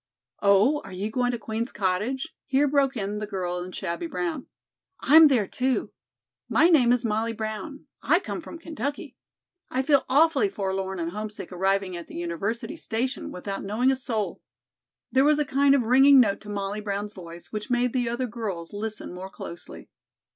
"Oh, are you going to Queen's cottage?" here broke in the girl in shabby brown. "I'm there, too. My name is Molly Brown. I come from Kentucky. I feel awfully forlorn and homesick arriving at the University station without knowing a soul." There was a kind of ringing note to Molly Brown's voice which made the other girls listen more closely.